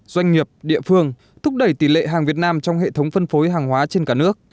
doanh nghiệp địa phương thúc đẩy tỷ lệ hàng việt nam trong hệ thống phân phối hàng hóa trên cả nước